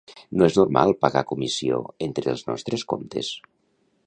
No és normal pagar comissió entre els nostres comptes.